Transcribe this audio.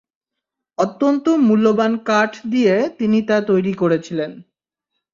অত্যন্ত মূল্যবান কাঠ দিয়ে তিনি তা তৈরী করেছিলেন।